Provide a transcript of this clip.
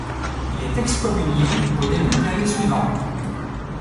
Il est excommunié au début de l'année suivante.